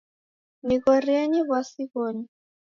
Nighorienyi w'asi ghonyu